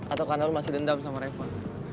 atau karena lu masih dendam sama revan